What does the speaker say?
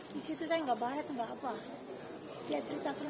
disitu saya gak baret gak apa apa